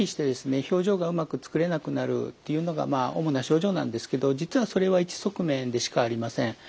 表情がうまくつくれなくなるというのが主な症状なんですけど実はそれは一側面でしかありません。